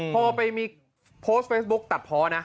พอไปมีโพสต์เฟซบุ๊กตัดเพาะนะ